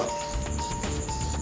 ini motor dua